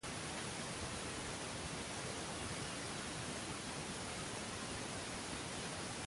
Sus espectáculos participaron en los más prestigiosos festivales internacionales de teatro del mundo.